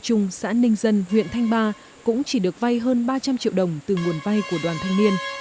trung xã ninh dân huyện thanh ba cũng chỉ được vay hơn ba trăm linh triệu đồng từ nguồn vay của đoàn thanh niên